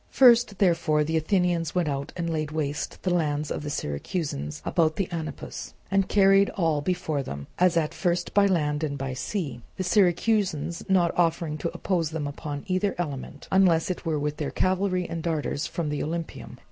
First therefore the Athenians went out and laid waste the lands of the Syracusans about the Anapus and carried all before them as at first by land and by sea, the Syracusans not offering to oppose them upon either element, unless it were with their cavalry and darters from the Olympieum.